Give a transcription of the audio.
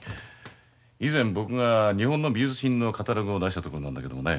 以前僕が日本の美術品のカタログを出した所なんだけどもね。